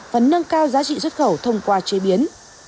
và nâng cao giá trị xuất khẩu thông qua chế biến